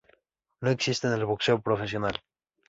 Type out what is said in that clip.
No existe en el boxeo profesional.